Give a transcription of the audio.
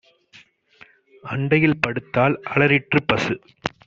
அண்டையில் படுத்தாள். அலறிற்றுப் பசு;